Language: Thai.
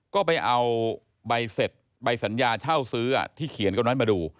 ก็ไปเอาใบเสร็จใบสัญญาเช่าซื้อที่เขียนกันไว้มาดู